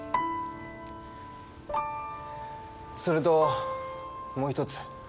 それともうひとつ。